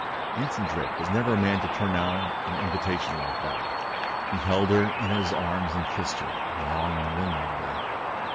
Anson Drake was never a man to turn down an invitation like that. He held her in his arms and kissed her long and lingeringly.